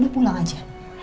dia pulang aja